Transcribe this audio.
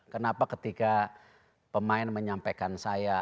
kenapa ketika pemain menyampaikan saya